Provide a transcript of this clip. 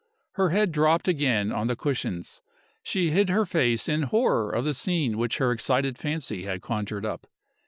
Her head dropped again on the cushions; she hid her face in horror of the scene which her excited fancy had conjured up.